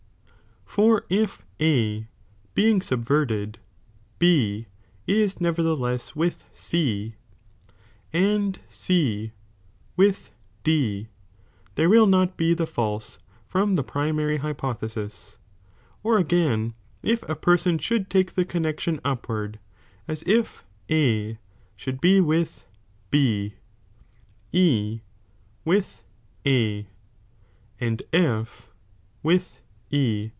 For if A being subverted B is neverthe ». Another less with C, and C with D, there will not he ™*'' the false from the primary hypothesis. Or if a person should take the connexion upward, as if A should be with B, E with A, and F with E.